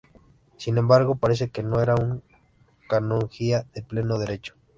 Sin embargo, parece que no era una canonjía de pleno derecho.